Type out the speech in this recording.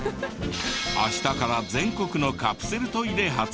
明日から全国のカプセルトイで発売。